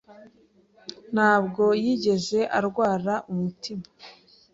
ntabwo yigeze arwara umutima.